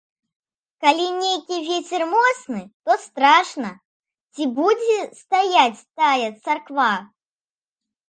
Калі нейкі вецер моцны, то страшна, ці будзе стаяць тая царква.